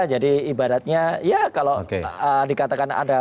jadi ibaratnya ya kalau dikatakan ada